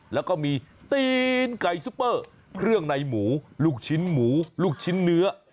แล้วก็มีตีนไก่ซุปเปอร์เครื่องในหมูลูกชิ้นหมูลูกชิ้นเนื้อ